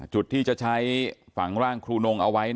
จุดที่จะใช้ฝังร่างครูนงเอาไว้